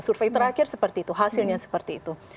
survei terakhir seperti itu hasilnya seperti itu